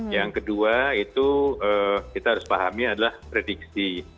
yang kedua itu kita harus pahami adalah prediksi